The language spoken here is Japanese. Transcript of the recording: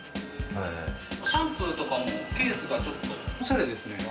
シャンプーとかもケースがおしゃれですね。